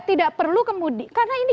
tidak perlu kemudian karena ini